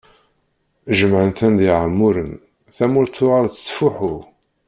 Jemɛen-ten d iɛemmuṛen, tamurt tuɣal tettfuḥu.